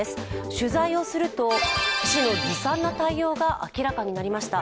取材をすると、市のずさんな対応が明らかになりました。